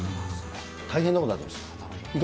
大変なことになってます。